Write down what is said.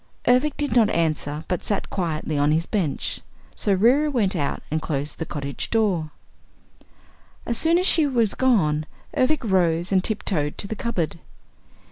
Ervic did not answer but sat quietly on his bench. So Reera went out and closed the cottage door. As soon as she was gone, Ervic rose and tiptoed to the cupboard.